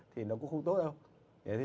thì nó cũng không tốt đâu